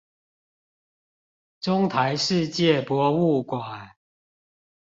中台世界博物館